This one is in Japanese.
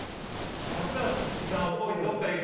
桜井さんを置いてどこか行く？